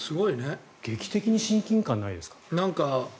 劇的に親近感ないですか？